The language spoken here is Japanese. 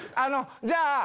じゃあ。